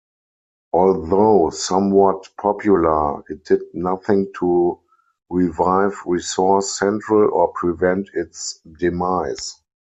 Although somewhat popular, it did nothing to revive Resource Central or prevent its demise.